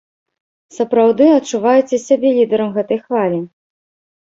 Сапраўды адчуваеце сябе лідарам гэтай хвалі?